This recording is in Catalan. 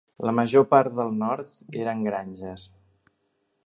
La major part del nord eren granges.